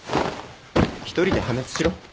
一人で破滅しろ。